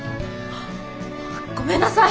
ごめんなさい。